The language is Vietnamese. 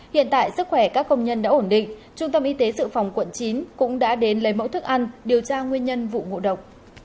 hiện tại sức khỏe các công nhân đã ổn định trung tâm y tế sự phòng quận chín cũng đã đến lấy mẫu thức ăn điều tra nguyên nhân vụ ngộ độc